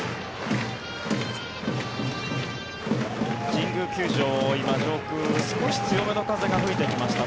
神宮球場を今、上空少し強めの風が吹いてきました。